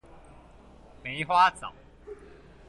梅花藻